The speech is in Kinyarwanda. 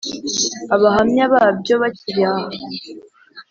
abahamya babyo bakiri aha